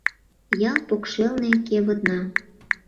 Ял покшелне - кевытна